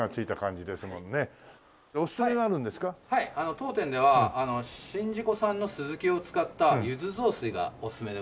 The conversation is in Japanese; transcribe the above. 当店では宍道湖産のスズキを使った柚子雑炊がおすすめでございます。